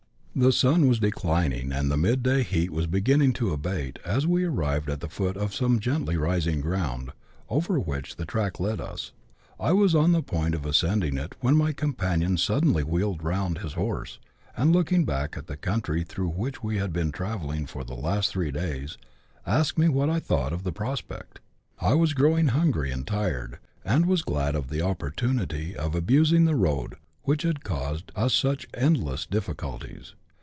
The sun was declining, and the mid day heat was beginning to abate, as we arrived at the foot of some gently rising ground, over which the track led us. I was on the point of ascending it, when my companion suddenly wheeled round his horse, and, looking back at the country through which we had been travel ling for the last three days, asked me what I thought of the prospect. I was growing hungry and tired, and was glad of the oppor tunity of abusing the road which had caused us such endless dif ficulties.